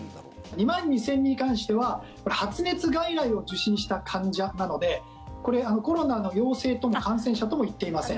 ２万２０００人に関しては発熱外来を受診した患者なのでこれ、コロナの陽性とも感染者とも言っていません。